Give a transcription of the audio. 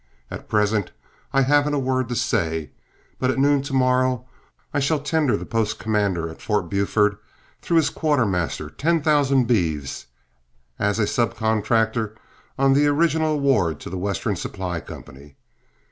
At present I haven't a word to say, but at noon to morrow I shall tender the post commander at Ford Buford, through his quartermaster, ten thousand beeves, as a sub contractor on the original award to The Western Supply Company."